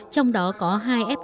trong đó có hai fta thế hệ mới